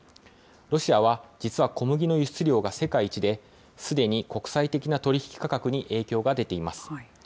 ロシアは、実は小麦の輸出量が世界一で、すでに国際的な取り引き価格に影響が出ています。